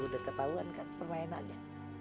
udah ketahuan kan permainannya